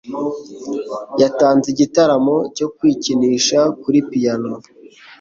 Yatanze igitaramo cyo kwikinisha kuri piyano.